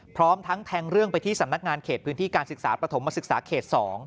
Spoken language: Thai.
พร้อมทั้งแทงเรื่องไปที่สำนักงานเขตพื้นที่การศึกษาปฐมศึกษาเขต๒